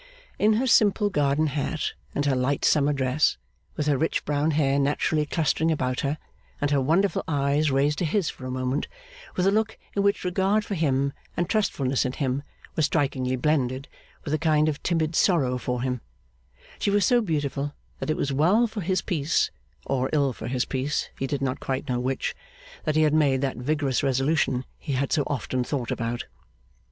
In her simple garden hat and her light summer dress, with her rich brown hair naturally clustering about her, and her wonderful eyes raised to his for a moment with a look in which regard for him and trustfulness in him were strikingly blended with a kind of timid sorrow for him, she was so beautiful that it was well for his peace or ill for his peace, he did not quite know which that he had made that vigorous resolution he had so often thought about.